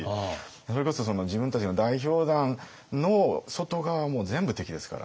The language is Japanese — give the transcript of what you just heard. それこそ自分たちの代表団の外側はもう全部敵ですから。